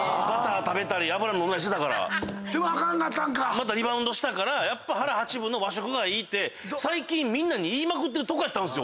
またリバウンドしたからやっぱ腹八分の和食がいいって最近みんなに言いまくってるとこやったんです。